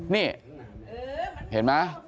นี่เห็นไหม